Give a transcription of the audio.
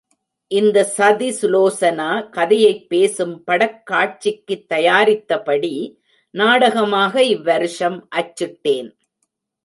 இந்த சதி சுலோசனா கதையைப் பேசும் படக் காட்சிக்குத் தயாரித்தபடி, நாடகமாக இவ்வருஷம் அச்சிட் டேன்.